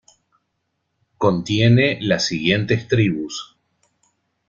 Contiene las siguientes tribus.